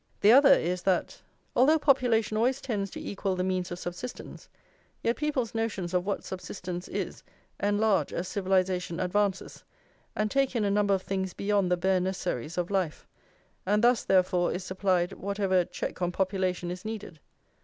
The other is, that, although population always tends to equal the means of subsistence, yet people's notions of what subsistence is enlarge as civilisation advances, and take in a number of things beyond the bare necessaries of life; and thus, therefore, is supplied whatever check on population is needed.